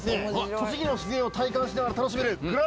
栃木の自然を体感しながら楽しめる。